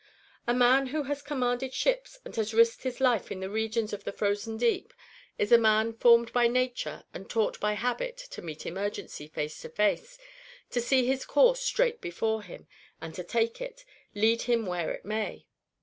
A man who has commanded ships and has risked his life in the regions of the frozen deep, is a man formed by nature and taught by habit to meet emergency face to face, to see his course straight before him, and to take it, lead him where it may.